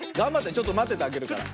ちょっとまっててあげるから。